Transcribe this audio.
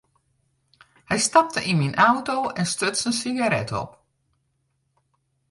Hy stapte yn myn auto en stuts in sigaret op.